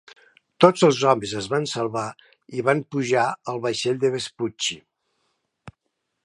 Tots els homes es van salvar i van pujar al vaixell de Vespucci.